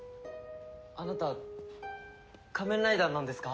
あなた仮面ライダーなんですか？